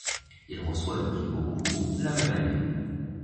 Il reçoit le Prix Goncourt la même année.